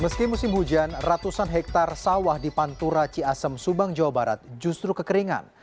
meski musim hujan ratusan hektare sawah di pantura ciasem subang jawa barat justru kekeringan